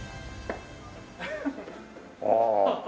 ああ。